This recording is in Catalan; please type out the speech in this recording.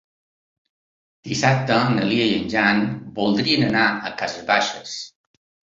Dissabte na Lia i en Jan voldrien anar a Cases Baixes.